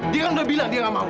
dia kan udah bilang dia gak mau